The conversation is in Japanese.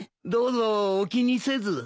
どうぞお気にせず。